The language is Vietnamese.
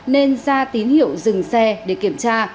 nên ra tín hiệu dừng xe để kiểm tra